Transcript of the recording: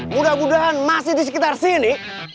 mudah mudahan masih di sekitar sini